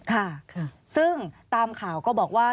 ค่ะซึ่งตามข่าวก็บอกว่า